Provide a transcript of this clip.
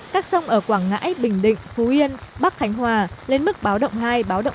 các sông ở quảng ngãi bình định phú yên bắc khánh hòa lên mức báo động hai báo động ba và trên báo động ba